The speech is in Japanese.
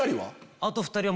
あと２人は？